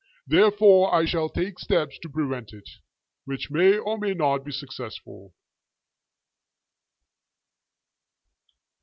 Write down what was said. Therefore I shall take steps to prevent it, which may or may not be successful.